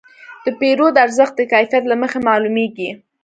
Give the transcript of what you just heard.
د پیرود ارزښت د کیفیت له مخې معلومېږي.